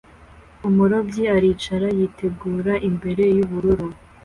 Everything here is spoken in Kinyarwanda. Umurobyi aricara yitegura imbere yubururu